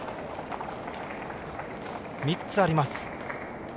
３つあります。